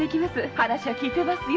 話は聞いていますよ